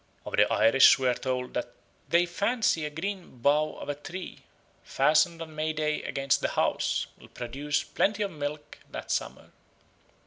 Of the Irish we are told that "they fancy a green bough of a tree, fastened on May day against the house, will produce plenty of milk that summer."